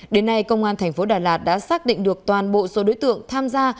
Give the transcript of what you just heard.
đến nay công an tp đà lạt đã xác định được toàn bộ số đối tượng tham gia